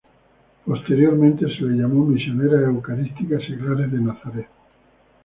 Posteriormente se le llamó Misioneras Eucarísticas Seglares de Nazaret.